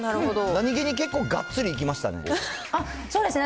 何気に結構がっつりいきましそうですね。